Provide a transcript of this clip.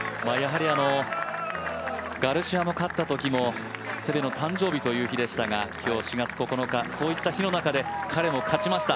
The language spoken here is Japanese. ガルシアが勝ったときもセベの誕生日でしたが今日４月９日、そういった日の中で彼も勝ちました。